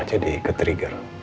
mama jadi ketrigger